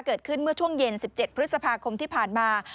เกิดขึ้นเมื่อช่วงเย็น๑๗พฤษภาคมที่ผ่านมา